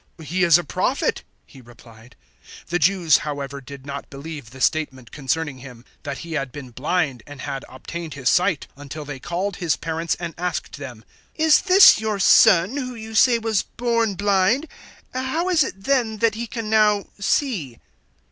"He is a Prophet," he replied. 009:018 The Jews, however, did not believe the statement concerning him that he had been blind and had obtained his sight until they called his parents and asked them, 009:019 "Is this your son, who you say was born blind? How is it then that he can now see?"